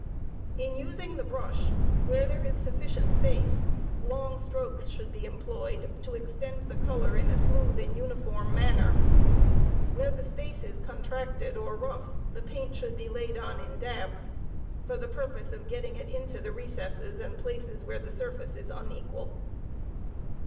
In using the brush, where there is sufficient space, long strokes should be employed to, extend the color in a smooth and uniform manner; where the space is contracted^ rough, the paint should be laid on in dabs, for the purpose of getting it into the recesses and places where the surface is unequal.